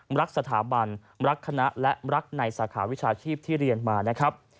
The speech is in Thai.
รักสถาบันรักคณะและรักในสาขาวิชาชีพที่เรียนมานะครับ